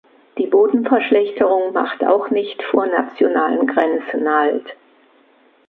Die Bodenverschlechterung macht auch nicht vor nationalen Grenzen halt.